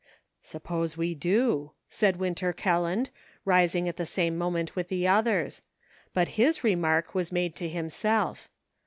" Suppose we do," said Winter Kelland, rising at the same moment with the others ; but /its re mark was made to himself.